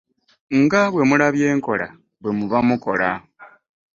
Nga bwe mulabye nkola bwe muba mukola.